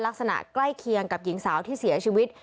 ลักษณะใกล้เคียงกับหญิงสาวที่เสียชีวิต